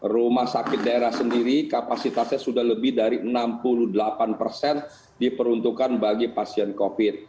rumah sakit daerah sendiri kapasitasnya sudah lebih dari enam puluh delapan persen diperuntukkan bagi pasien covid